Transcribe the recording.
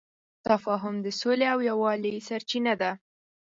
تفاهم د سولې او یووالي سرچینه ده.